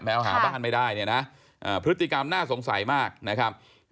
หาบ้านไม่ได้เนี่ยนะพฤติกรรมน่าสงสัยมากนะครับ